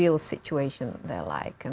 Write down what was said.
apa situasi sebenarnya mereka